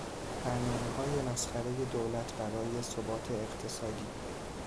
برنامههای مسخرهی دولت برای ثبات اقتصادی